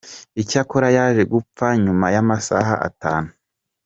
Icyakora yaje gupfa nyuma y’amasaha atanu.